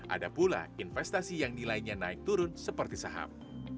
ada pula investasi yang nilainya naik turun seperti saham